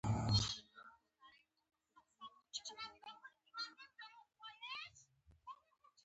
او پر غلطه یې روانوي.